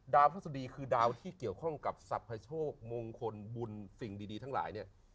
พฤษฎีคือดาวที่เกี่ยวข้องกับสรรพโชคมงคลบุญสิ่งดีทั้งหลายเนี่ย